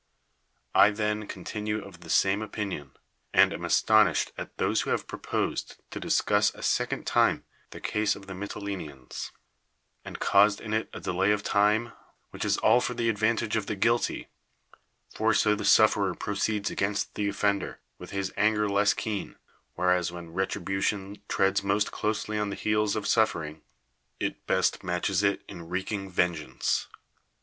I, then, contiiuH! of th(,' same opinion; and am astonished at lliose who have proposed to discuss a secoTid lime the case of the jMytile neans, and cjiused in it a delay of time, which is all for the advantage of the guilty (for so 35 THE WORLD'S FAMOUS ORATIONS the sufferer proceeds against the offender with his anger less Iceen; whereas when retribution treads most closely on the heels of suffering, it best matches it in wreaking vengeance).